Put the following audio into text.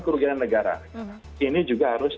kerugian negara ini juga harus